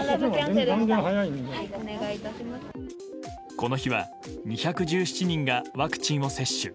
この日は、２１７人がワクチンを接種。